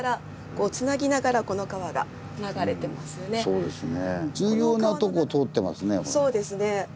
そうですね。